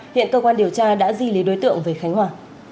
hiện cơ quan điều tra đã di lý đối tượng về khánh hòa